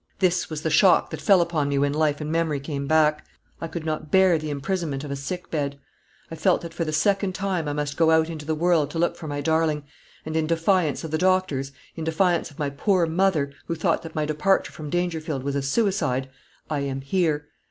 "This was the shock that fell upon me when life and memory came back. I could not bear the imprisonment of a sick bed. I felt that for the second time I must go out into the world to look for my darling; and in defiance of the doctors, in defiance of my poor mother, who thought that my departure from Dangerfield was a suicide, I am here.